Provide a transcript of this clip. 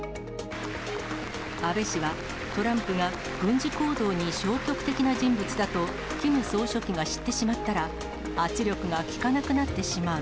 安倍氏は、トランプが軍事行動に消極的な人物だと、キム総書記が知ってしまったら、圧力が利かなくなってしまう。